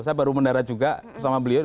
saya baru mendarat juga sama beliau